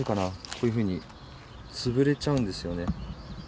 こういうふうに潰れちゃうんですよね。